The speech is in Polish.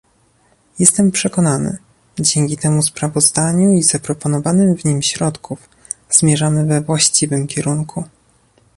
Jestem przekonany, dzięki temu sprawozdaniu i zaproponowanym w nim środków zmierzamy we właściwym kierunku